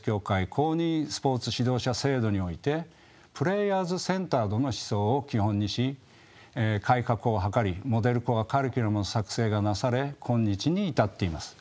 公認スポーツ指導者制度において「プレーヤーズセンタードの思想」を基本にし改革をはかり「モデル・コア・カリキュラム」の作成がなされ今日に至っています。